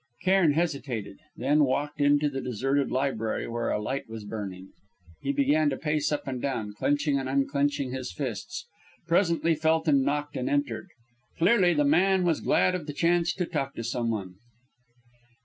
Cairn hesitated, then walked into the deserted library, where a light was burning. He began to pace up and down, clenching and unclenching his fists. Presently Felton knocked and entered. Clearly the man was glad of the chance to talk to someone.